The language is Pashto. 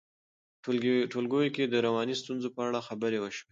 ټولګیو کې د رواني ستونزو په اړه خبرې وشي.